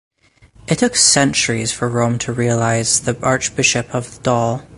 It took centuries for Rome to recognize the Archbishop of Dol.